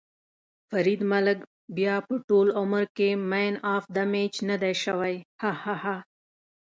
فرید ملک بیا به ټول عمر کې مېن اف ده مېچ ندی شوی.ههه